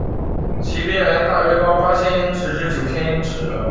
其边缘大约高八千英尺至九千英尺。